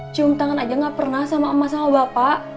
cium tangan aja gak pernah sama emak sama bapak